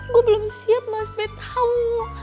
gue belum siap mas bet tahu